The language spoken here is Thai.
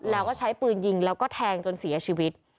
แล้วก็ใช้ปืนยิงแล้วก็แทงจนเสียชีวิต